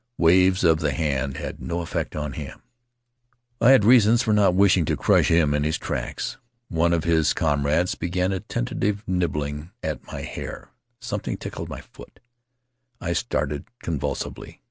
Waves of the hand had no effect on him — I had reasons for not wishing to crush him in his tracks. One of his comrades began a tentative nib bling at my hair — something tickled my foot — I started convulsively.